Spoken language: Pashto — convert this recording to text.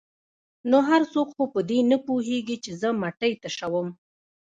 ـ نو هر څوک خو په دې نه پوهېږي چې زه مټۍ تشوم.